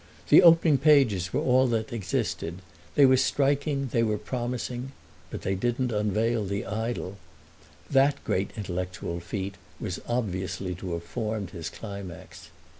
The opening pages were all that existed; they were striking, they were promising, but they didn't unveil the idol. That great intellectual feat was obviously to have formed his climax.